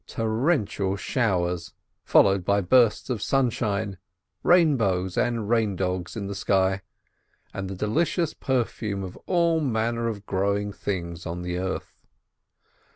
Torrential showers followed by bursts of sunshine, rainbows, and rain dogs in the sky, and the delicious perfume of all manner of growing things on the earth.